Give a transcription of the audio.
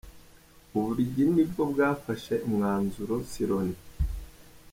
Ububiligi nibwo bwafashe umwanzuro si Loni.